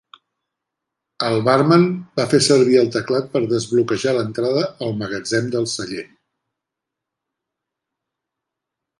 El bàrman va fer servir el teclat per desbloquejar l'entrada al magatzem del celler.